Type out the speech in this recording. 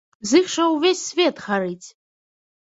З іх жа ўвесь свет гарыць.